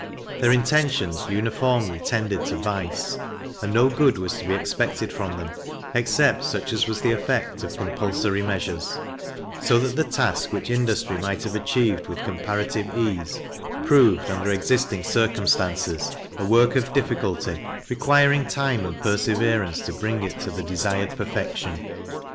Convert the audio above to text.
Their intentions uniformly tended to vice, and no good was to be expected from them, except such as was the effect of compulsory measures; so that the task which industry might have achieved with comparative ease, proved, under existing circumstances, a work of difficulty, requiring time and perseverance to bring it to the desired perfection.